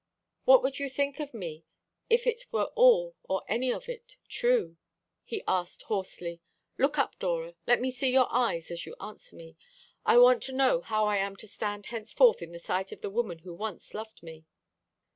"What would you think of me if it were all or any of it true?" he asked hoarsely. "Look up, Dora. Let me see your eyes as you answer me. I want to know how I am to stand henceforth in the sight of the woman who once loved me."